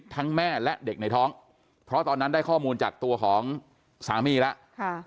แม่และเด็กในท้องเพราะตอนนั้นได้ข้อมูลจากตัวของสามีแล้ว